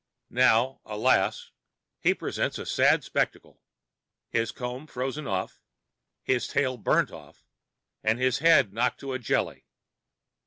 Now, alas! he presents a sad spectacle: his comb frozen off, his tail burned off, and his head knocked to a jelly.